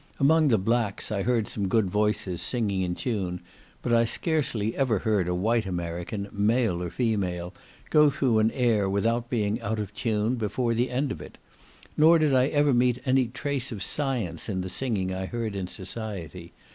Among the blacks, I heard some good voices, singing in tune; but I scarcely ever heard a white American, male or female, go through an air without being out of tune before the end of it; nor did I ever meet any trace of science in the singing I heard in society.